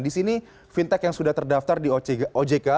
di sini fintech yang sudah terdaftar di ojk